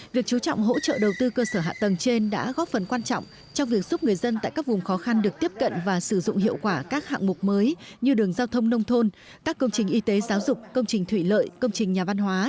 việc chú trọng hỗ trợ đầu tư cơ sở hạ tầng trên đã góp phần quan trọng trong việc giúp người dân tại các vùng khó khăn được tiếp cận và sử dụng hiệu quả các hạng mục mới như đường giao thông nông thôn các công trình y tế giáo dục công trình thủy lợi công trình nhà văn hóa